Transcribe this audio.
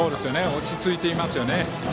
落ち着いていますよね。